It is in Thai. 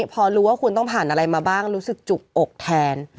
พอรู้ว่าคุณต้องผ่านอะไรมาบ้างรู้สึกจุกอกแทน